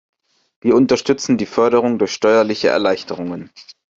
Wir unterstützen die Förderung durch steuerliche Erleichterungen.